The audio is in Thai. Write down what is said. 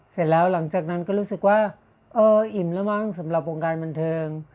เสร็จแล้วหลังจากนั้นก็รู้สึกว่าเอออิ่มแล้วมั้งสำหรับวงการบันเทิง